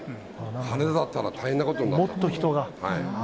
羽田だったら大変なことになった。